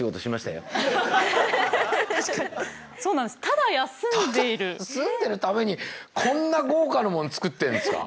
ただ休んでるためにこんな豪華なもん作ってるんですか？